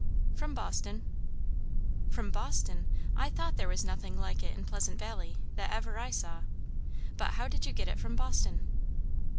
"From Boston." "From Boston! I thought there was nothing like it in Pleasant Valley, that ever I saw. But how did you get it from Boston?"